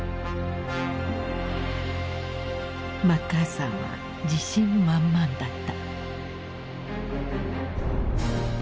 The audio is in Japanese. マッカーサーは自信満々だった。